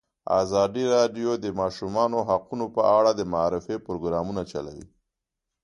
ازادي راډیو د د ماشومانو حقونه په اړه د معارفې پروګرامونه چلولي.